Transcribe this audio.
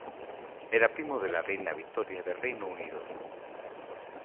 Era primo de la reina Victoria del Reino Unido.